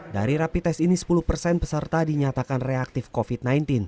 dari rapi tes ini sepuluh persen peserta dinyatakan reaktif covid sembilan belas